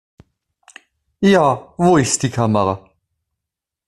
Ja, wo ist die Kamera?